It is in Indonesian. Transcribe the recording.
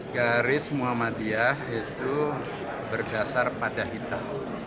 garis muhammadiyah itu berdasar pada hitam